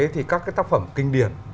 thì các cái tác phẩm kinh điển